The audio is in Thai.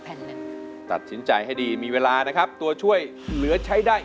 แผ่นที่๔ก็คือ